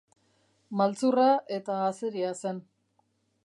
Maltzurra eta azeria zen.